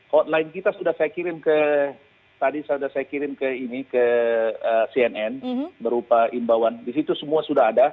hotline kita sudah saya kirim ke cnn berupa imbauan di situ semua sudah ada